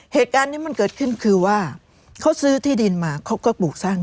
เหตุการณ์นี้มันเกิดขึ้นคือว่าเขาซื้อที่ดินมาเขาก็ปลูกสร้าง